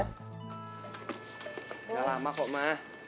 nggak lama kok ma